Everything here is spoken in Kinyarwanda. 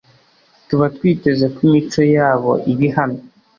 tuba twiteze ko imico yabo iba ihamye